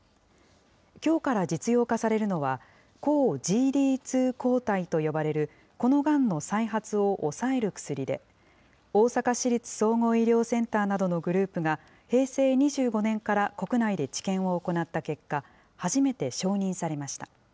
きょうから実用化されるのは、抗ＧＤ２抗体と呼ばれるこのがんの再発を抑える薬で、大阪市立総合医療センターなどのグループが、平成２５年から国内で治験を行った結果、初めて承認されました。